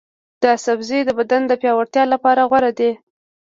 دا سبزی د بدن د پیاوړتیا لپاره غوره دی.